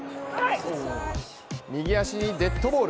右足にデッドボール！